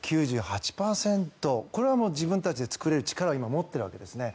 これは自分たちで作れる力を今、持っているわけですね。